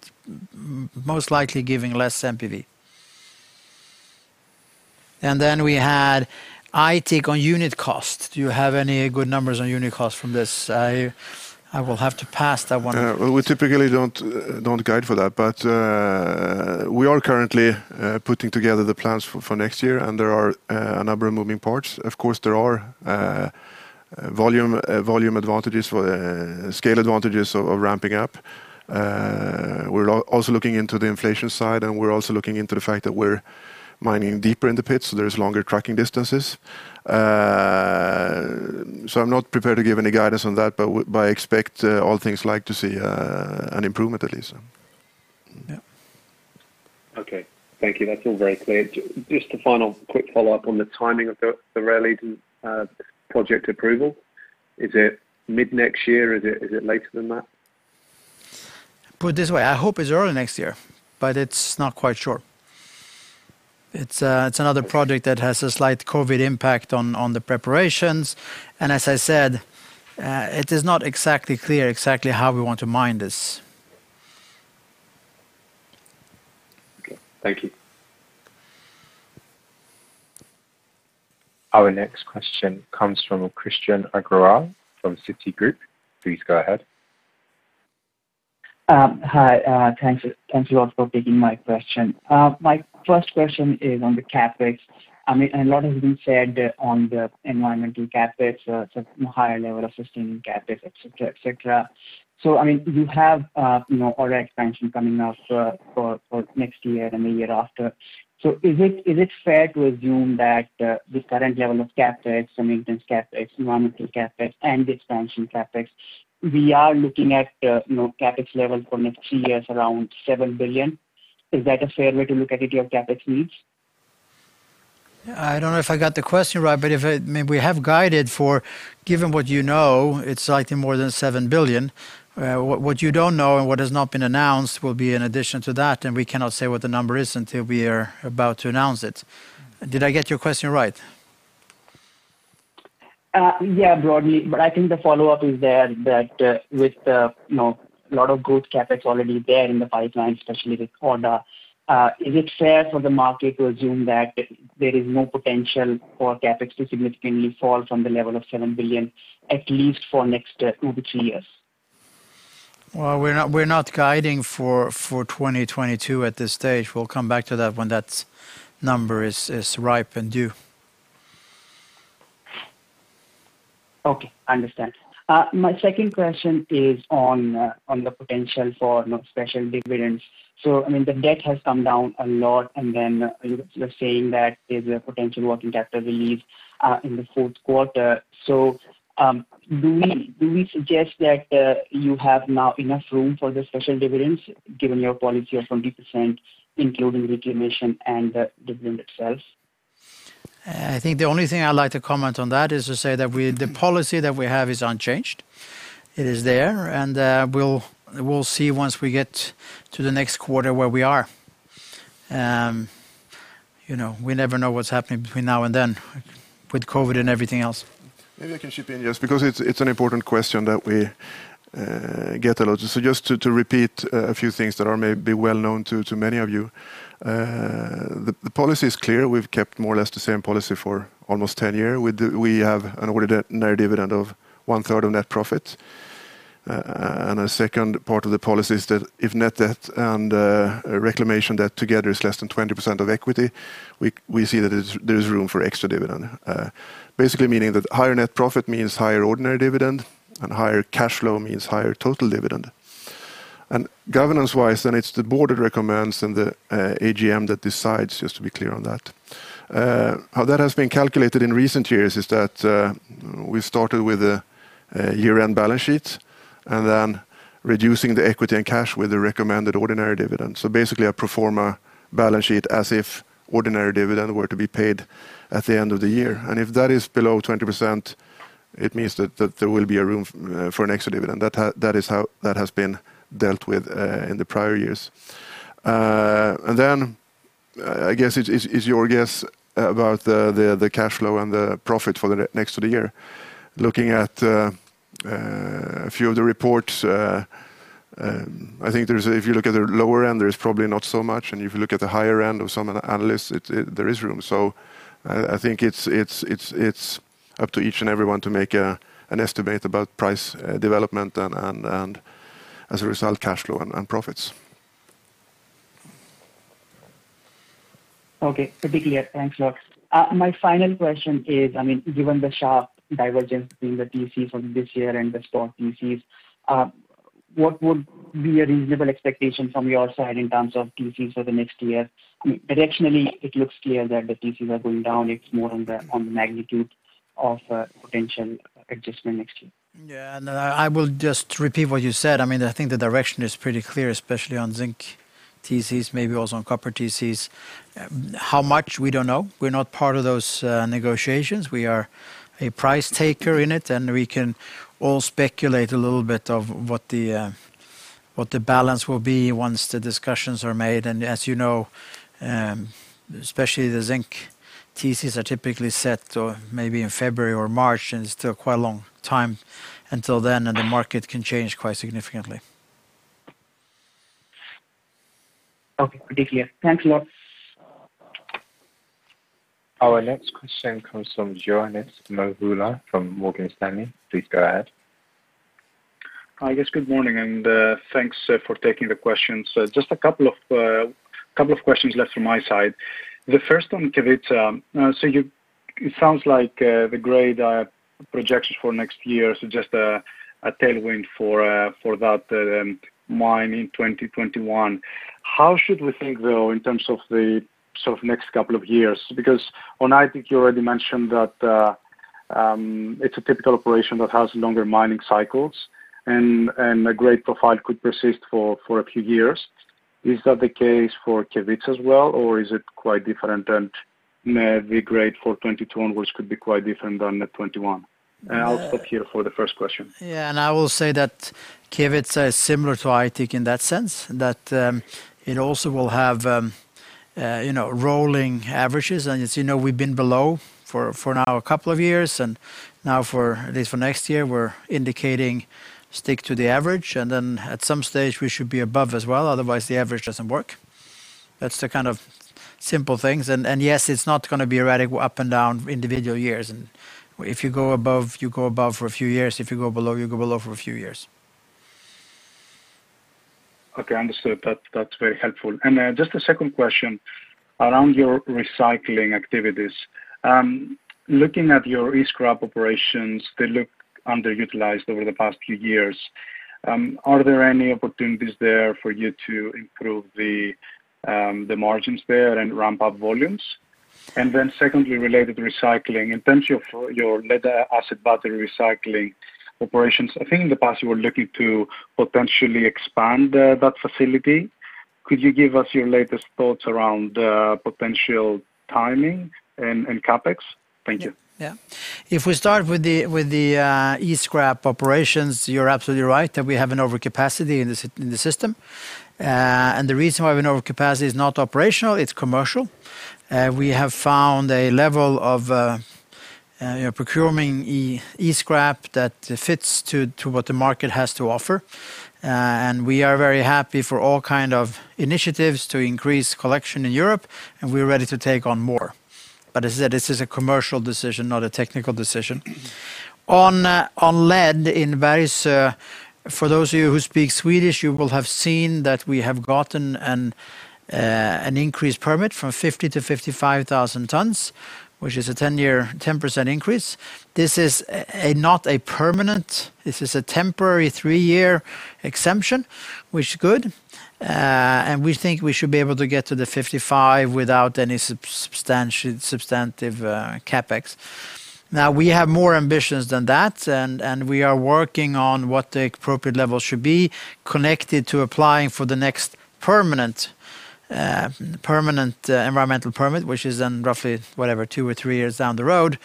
most likely giving less NPV. We had Jit on unit cost. Do you have any good numbers on unit cost from this? I will have to pass that one. We typically don't guide for that. We are currently putting together the plans for next year, and there are a number of moving parts. Of course, there are volume advantages, scale advantages of ramping up. We're also looking into the inflation side, and we're also looking into the fact that we're mining deeper in the pits, so there's longer trucking distances. I'm not prepared to give any guidance on that, but I expect all things like to see an improvement, at least. Yeah. Okay. Thank you. That's all very clear. Just a final quick follow-up on the timing of the Rävliden project approval. Is it mid-next year? Is it later than that? Put it this way, I hope it's early next year, it's not quite sure. It's another project that has a slight COVID impact on the preparations. As I said, it is not exactly clear exactly how we want to mine this. Okay. Thank you. Our next question comes from Krishan Agarwal from Citigroup. Please go ahead. Hi. Thanks a lot for taking my question. My first question is on the CapEx. A lot has been said on the environmental CapEx, higher level of sustaining CapEx, et cetera. You have order expansion coming out for next year and the year after. Is it fair to assume that the current level of CapEx, the maintenance CapEx, environmental CapEx, and expansion CapEx, we are looking at CapEx level for next three years around 7 billion? Is that a fair way to look at it, your CapEx needs? I don't know if I got the question right, but we have guided for, given what you know, it's likely more than 7 billion. What you don't know and what has not been announced will be in addition to that, and we cannot say what the number is until we are about to announce it. Did I get your question right? Yeah, broadly. I think the follow-up is that with a lot of good CapEx already there in the pipeline, especially with Odda, is it fair for the market to assume that there is no potential for CapEx to significantly fall from the level of 7 billion, at least for next over two years? Well, we're not guiding for 2022 at this stage. We'll come back to that when that number is ripe and due. Okay, I understand. My second question is on the potential for special dividends. The debt has come down a lot, and then you're saying that there's a potential working capital relief in the fourth quarter. Do we suggest that you have now enough room for the special dividends given your policy of 20%, including reclamation and the dividend itself? I think the only thing I'd like to comment on that is to say that the policy that we have is unchanged. It is there, and we'll see once we get to the next quarter where we are. We never know what's happening between now and then with COVID-19 and everything else. Maybe I can chip in, yes, because it's an important question that we get a lot. Just to repeat a few things that are maybe well known to many of you. The policy is clear. We've kept more or less the same policy for almost 10 year. We have an ordinary dividend of one-third of net profit. A second part of the policy is that if net debt and reclamation debt together is less than 20% of equity, we see that there's room for extra dividend. Basically meaning that higher net profit means higher ordinary dividend, and higher cash flow means higher total dividend. Governance-wise, then it's the board that recommends and the AGM that decides, just to be clear on that. How that has been calculated in recent years is that we started with a year-end balance sheet, reducing the equity and cash with the recommended ordinary dividend. Basically, a pro forma balance sheet as if ordinary dividend were to be paid at the end of the year. If that is below 20%, it means that there will be a room for an extra dividend. That has been dealt with in the prior years. I guess it's your guess about the cash flow and the profit for the next of the year. Looking at a few of the reports, I think if you look at the lower end, there is probably not so much, and if you look at the higher end of some analysts, there is room. I think it's up to each and everyone to make an estimate about price development and as a result, cash flow and profits. Okay. Pretty clear. Thanks a lot. My final question is, given the sharp divergence between the TCs for this year and the strong TCs, what would be a reasonable expectation from your side in terms of TCs for the next year? Directionally, it looks clear that the TCs are going down. It's more on the magnitude of potential adjustment next year. Yeah. No, I will just repeat what you said. I think the direction is pretty clear, especially on zinc TCs, maybe also on copper TCs. How much, we don't know. We're not part of those negotiations. We are a price taker in it, and we can all speculate a little bit of what the balance will be once the discussions are made. As you know, especially the zinc TCs are typically set maybe in February or March, and it's still quite a long time until then, and the market can change quite significantly. Okay. Pretty clear. Thanks a lot. Our next question comes from Ioannis Masvoulas from Morgan Stanley. Please go ahead. Hi, guys. Good morning, and thanks for taking the questions. Just a couple of questions left from my side. The first on Kevitsa. It sounds like the grade projections for next year suggest a tailwind for that mine in 2021. How should we think, though, in terms of the next couple of years? On Aitik, you already mentioned that it's a typical operation that has longer mining cycles, and a grade profile could persist for a few years. Is that the case for Kevitsa as well, or is it quite different and the grade for 2022 onwards could be quite different than 2021? I'll stop here for the first question. Yeah, and I will say that Kevitsa is similar to Aitik in that sense, that it also will have rolling averages. As you know, we've been below for now a couple of years, and now at least for next year, we're indicating stick to the average, and then at some stage we should be above as well, otherwise the average doesn't work. That's the kind of simple things. Yes, it's not going to be erratic up and down individual years. If you go above, you go above for a few years, if you go below, you go below for a few years. Okay, understood. That's very helpful. Just a second question around your recycling activities. Looking at your e-scrap operations, they look underutilized over the past few years. Are there any opportunities there for you to improve the margins there and ramp up volumes? Secondly, related to recycling, in terms of your lead acid battery recycling operations, I think in the past you were looking to potentially expand that facility. Could you give us your latest thoughts around potential timing and CapEx? Thank you. Yeah. If we start with the e-scrap operations, you're absolutely right that we have an overcapacity in the system. The reason why we have an overcapacity is not operational, it's commercial. We have found a level of procuring e-scrap that fits to what the market has to offer. We are very happy for all kind of initiatives to increase collection in Europe, and we're ready to take on more. As I said, this is a commercial decision, not a technical decision. On lead in Bergsöe, for those of you who speak Swedish, you will have seen that we have gotten an increased permit from 50 to 55,000 tons, which is a 10% increase. This is not a permanent, this is a temporary three-year exemption, which is good. We think we should be able to get to the 55 without any substantive CapEx. We have more ambitions than that, and we are working on what the appropriate level should be connected to applying for the next permanent environmental permit, which is in roughly, whatever, two or three years down the road.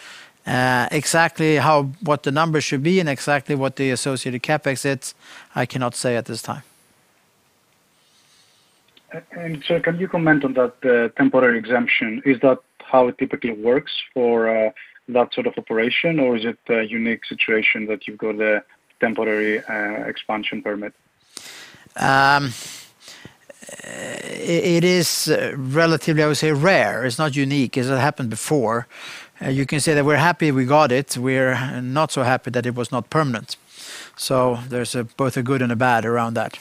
Exactly what the numbers should be and exactly what the associated CapEx is, I cannot say at this time. Can you comment on that temporary exemption? Is that how it typically works for that sort of operation, or is it a unique situation that you've got a temporary expansion permit? It is relatively, I would say, rare. It's not unique, as it happened before. You can say that we're happy we got it. We're not so happy that it was not permanent. There's both a good and a bad around that.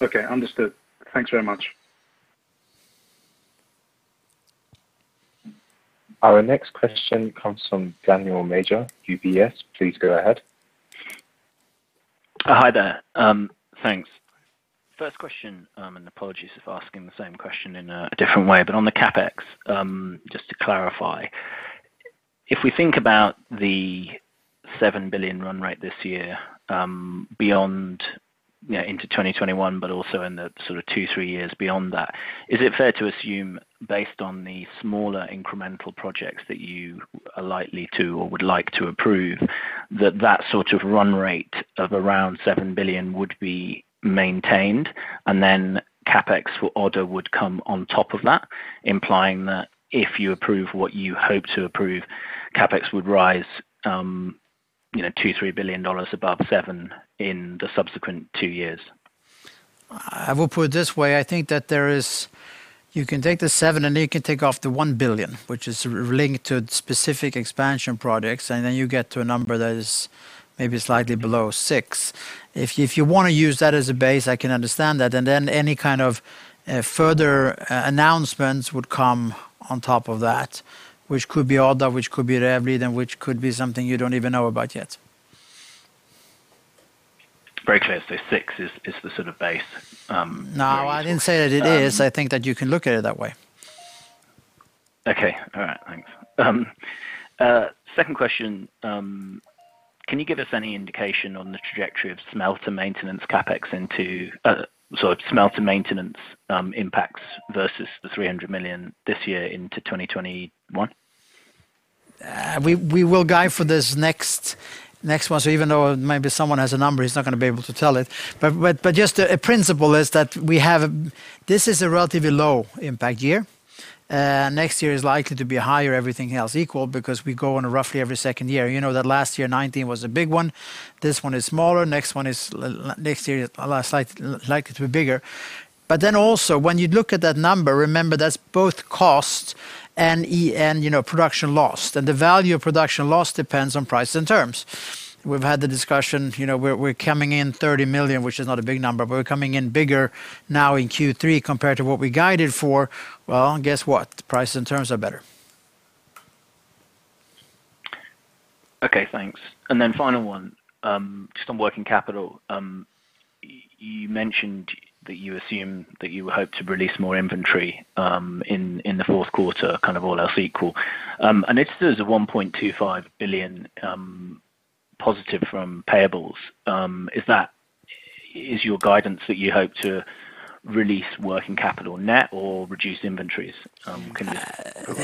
Okay, understood. Thanks very much. Our next question comes from Daniel Major, UBS. Please go ahead. Hi there. Thanks. First question, and apologies if asking the same question in a different way, but on the CapEx, just to clarify, if we think about the 7 billion run rate this year into 2021, but also in the two, three years beyond that, is it fair to assume, based on the smaller incremental projects that you are likely to or would like to approve, that that sort of run rate of around 7 billion would be maintained, and then CapEx for Odda would come on top of that, implying that if you approve what you hope to approve, CapEx would rise SEK 2 billion or SEK 3 billion above 7 billion in the subsequent two years? I will put it this way. I think that you can take the seven and you can take off the 1 billion, which is linked to specific expansion projects, and then you get to a number that is maybe slightly below six. If you want to use that as a base, I can understand that, and then any kind of further announcements would come on top of that, which could be Odda, which could be Rävliden, and which could be something you don't even know about yet. Very clear. six is the sort of base ratio. No, I didn't say that it is. I think that you can look at it that way. Okay. All right. Thanks. Second question, can you give us any indication on the trajectory of smelter maintenance CapEx sort of smelter maintenance impacts versus the 300 million this year into 2021? We will guide for this next one. Even though maybe someone has a number, he's not going to be able to tell it. Just a principle is that this is a relatively low impact year. Next year is likely to be higher, everything else equal, because we go on a roughly every second year. You know that last year 2019 was a big one. This one is smaller, next year likely to be bigger. Also when you look at that number, remember that's both cost and production loss. The value of production loss depends on price and terms. We've had the discussion, we're coming in 30 million, which is not a big number, but we're coming in bigger now in Q3 compared to what we guided for. Well, guess what? The price and terms are better. Okay, thanks. Final one, just on working capital. You mentioned that you assume that you hope to release more inventory in the fourth quarter, kind of all else equal. If there's a 1.25 billion positive from payables, is your guidance that you hope to release working capital net or reduce inventories? Can you.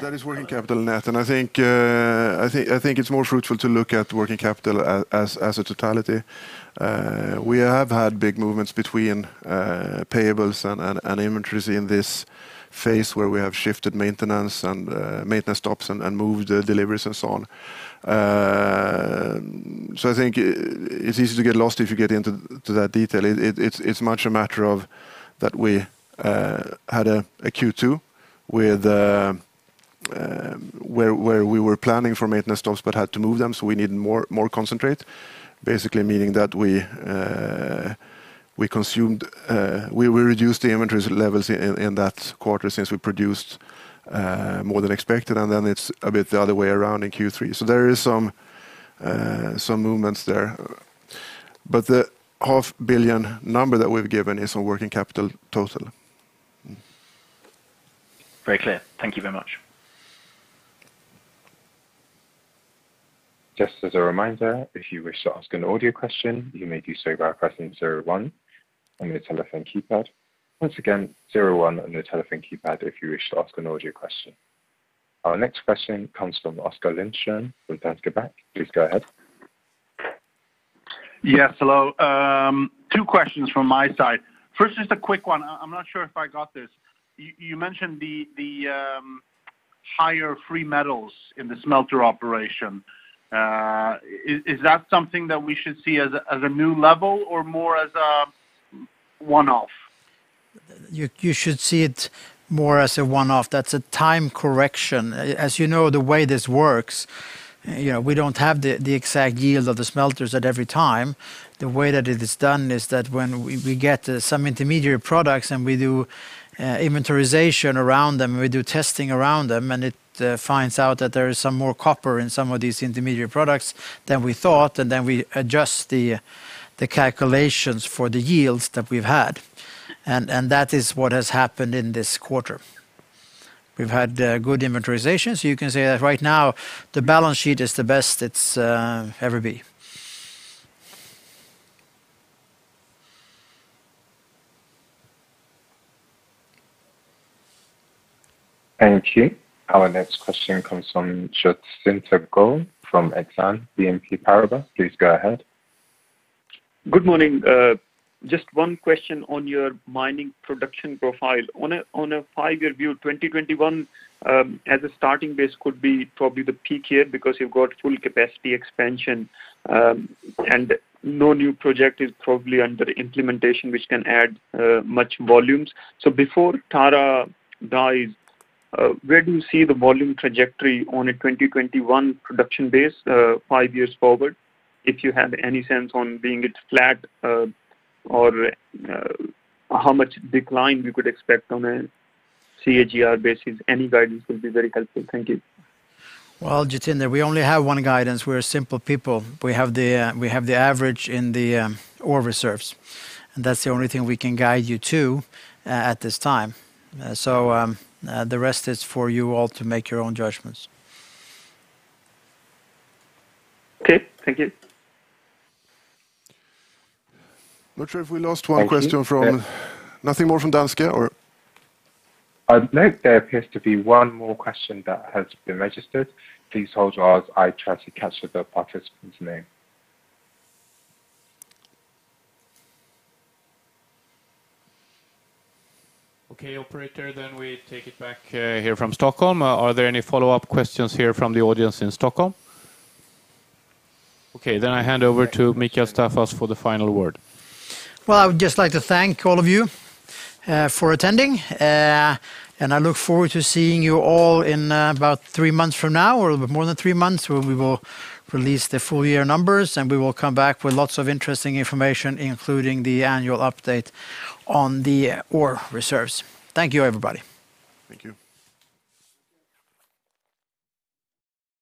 That is working capital net, and I think it's more fruitful to look at working capital as a totality. We have had big movements between payables and inventories in this phase where we have shifted maintenance and maintenance stops and moved deliveries and so on. I think it's easy to get lost if you get into that detail. It's much a matter of that we had a Q2 where we were planning for maintenance stops but had to move them, so we need more concentrate. Basically meaning that we reduced the inventories levels in that quarter since we produced more than expected, and then it's a bit the other way around in Q3. There is some movements there. The half billion number that we've given is our working capital total. Very clear. Thank you very much. Just as a reminder, if you wish to ask an audio question, you may do so by pressing in zero one on the telephone keypad. Once again zero one on the telephone keypad if you wish to ask an audio question. Our next question comes from Oskar Lindström with Danske Bank. Please go ahead. Yes, hello. Two questions from my side. First, just a quick one. I'm not sure if I got this. You mentioned the higher free metals in the smelter operation. Is that something that we should see as a new level or more as a one-off? You should see it more as a one-off. That's a time correction. As you know, the way this works, we don't have the exact yield of the smelters at every time. The way that it is done is that when we get some intermediate products and we do inventorization around them, we do testing around them, and it finds out that there is some more copper in some of these intermediate products than we thought, and then we adjust the calculations for the yields that we've had. That is what has happened in this quarter. We've had good inventorization, so you can say that right now the balance sheet is the best it's ever been. Thank you. Our next question comes from Jatinder Goel from Exane BNP Paribas. Please go ahead. Good morning. Just one question on your mining production profile. On a five-year view, 2021, as a starting base could be probably the peak year because you've got full capacity expansion, and no new project is probably under implementation, which can add much volumes. Before Tara Deep, where do you see the volume trajectory on a 2021 production base, five years forward? If you have any sense on being it flat, or how much decline we could expect on a CAGR basis. Any guidance will be very helpful. Thank you. Well, Jatinder, we only have one guidance. We're simple people. We have the average in the ore reserves, and that's the only thing we can guide you to at this time. The rest is for you all to make your own judgments. Okay. Thank you. Not sure if we lost one question from. Nothing more from Danske or? No, there appears to be one more question that has been registered. Please hold while I try to capture the participant's name. Okay, operator, we take it back here from Stockholm. Are there any follow-up questions here from the audience in Stockholm? Okay, I hand over to Mikael Staffas for the final word. Well, I would just like to thank all of you for attending. I look forward to seeing you all in about three months from now, or a little bit more than three months, where we will release the full year numbers, and we will come back with lots of interesting information, including the annual update on the ore reserves. Thank you, everybody. Thank you.